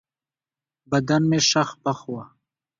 بدن مې شخ پخ و.